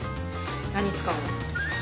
何使うの？